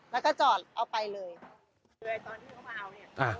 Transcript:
แล้วก็จอดเอาไปเลย